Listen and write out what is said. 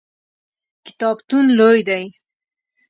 کتابتون لوی دی؟